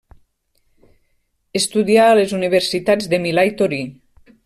Estudià a les universitats de Milà i Torí.